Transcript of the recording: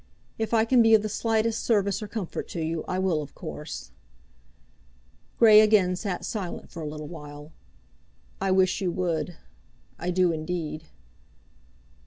"If I can be of the slightest service or comfort to you, I will of course." Grey again sat silent for a little while. "I wish you would; I do, indeed."